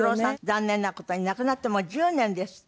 残念な事に亡くなってもう１０年ですって。